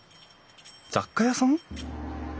雑貨屋さん？